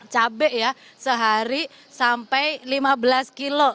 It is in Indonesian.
cabenya sehari sampai lima belas kilo